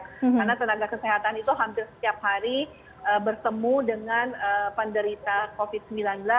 karena tenaga kesehatan itu hampir setiap hari bertemu dengan penderita covid sembilan belas